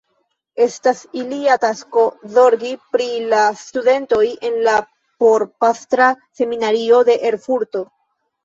Estas ilia tasko zorgi pri la studentoj en la Porpastra Seminario de Erfurto.